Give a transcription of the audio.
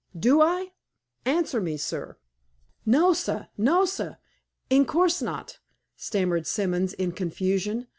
Do I? Answer me, sir!" "No, sah no, sah; in course not," stammered Simons, in confusion.